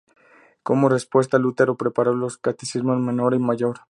Como respuesta, Lutero preparó los Catecismos Menor y Mayor.